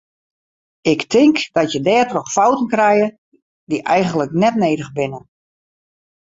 Ik tink dat je dêrtroch fouten krije dy eigenlik net nedich binne.